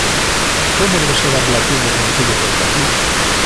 Como debe ser a relación do Concello co Deportivo?